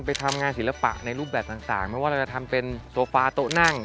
ไปทำงานศิลปะในรูปแบบต่างไม่ว่าเราจะทำเป็นโซฟาโต๊ะนั่ง